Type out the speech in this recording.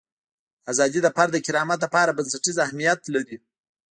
ازادي د فرد د کرامت لپاره بنسټیز اهمیت لري.